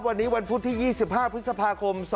วันนี้วันพุธที่๒๕พฤษภาคม๒๕๖